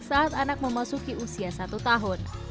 saat anak memasuki usia satu tahun